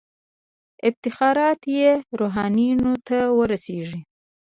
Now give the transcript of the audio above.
افتخارات یې روحانیونو ته ورسیږي.